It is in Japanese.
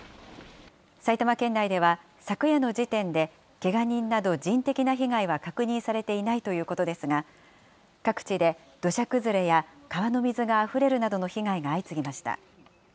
埼玉県内では昨夜の時点で、けが人など人的な被害は確認されていないということですが、各地で土砂崩れや川の水があふれるなどの被害が相次ぎました。